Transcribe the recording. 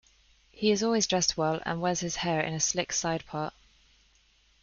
He is always dressed well and wears his hair in a slick sidepart.